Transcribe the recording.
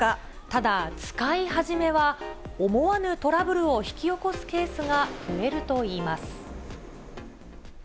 ただ、使い始めは思わぬトラブルを引き起こすケースが増えるといいます。